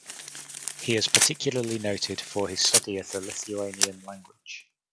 He is particularly noted for his study of the Lithuanian language.